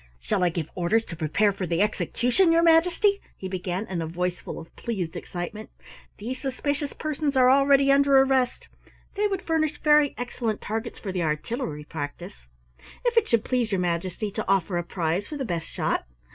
"Shall I give orders to prepare for the execution, your Majesty?" he began, in a voice full of pleased excitement. "These suspicious persons are already under arrest. They would furnish very excellent targets for the artillery practise? If it should please your Majesty to offer a prize for the best shot?